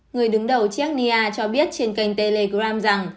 người đứng đầu chernia cho biết trên kênh telegram rằng